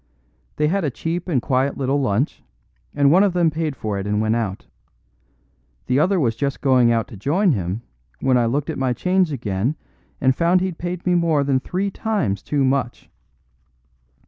They had a cheap and quiet little lunch, and one of them paid for it and went out. The other was just going out to join him when I looked at my change again and found he'd paid me more than three times too much.